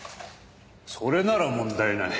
それなら問題ない。